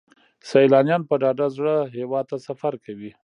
سیلانیان په ډاډه زړه هیواد ته سفر کوي.